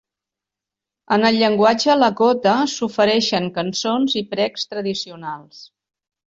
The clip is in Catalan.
En el llenguatge Lakota s'ofereixen cançons i precs tradicionals.